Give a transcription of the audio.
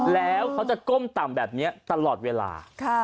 แล้วเขาจะก้มต่ำแบบนี้ตลอดเวลา